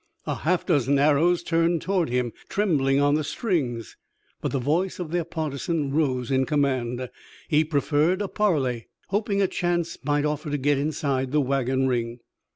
A half dozen arrows turned toward him, trembling on the strings. But the voice of their partisan rose in command. He preferred a parley, hoping a chance might offer to get inside the wagon ring.